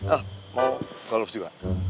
oh mau golf juga